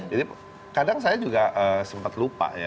jadi kadang saya juga sempat lupa ya